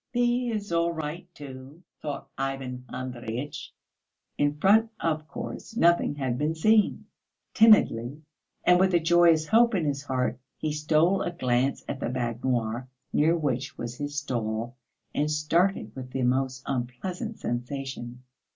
"He is all right too!" thought Ivan Andreyitch. In front, of course, nothing had been seen. Timidly and with a joyous hope in his heart, he stole a glance at the baignoire, near which was his stall, and started with the most unpleasant sensation.